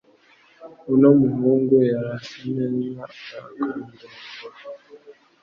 Uno muhungu yarasa neza arakandongora